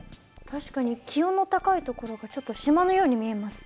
確かに気温の高いところがちょっと島のように見えます。